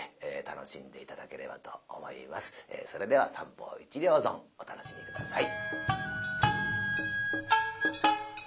それでは「三方一両損」お楽しみ下さい。